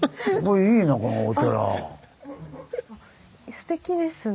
すてきですね。